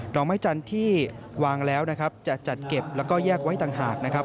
อกไม้จันทร์ที่วางแล้วนะครับจะจัดเก็บแล้วก็แยกไว้ต่างหากนะครับ